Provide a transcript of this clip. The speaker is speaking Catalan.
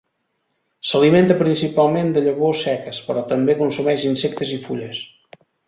S'alimenta principalment de llavors seques, però també consumeix insectes i fulles.